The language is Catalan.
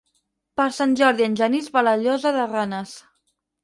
Per Sant Jordi en Genís va a la Llosa de Ranes.